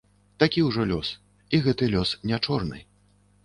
Такі ўжо лёс, і гэты лёс не чорны.